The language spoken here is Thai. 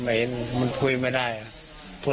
ไม่รู้ยังไม่รู้